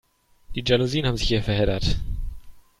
Die Jalousien haben sich hier verheddert.